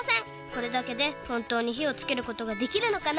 これだけでほんとうにひをつけることができるのかな？